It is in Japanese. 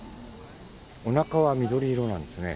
おなかは緑色なんですね。